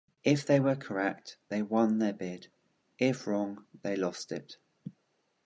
If they were correct, they won their bid; if wrong, they lost it.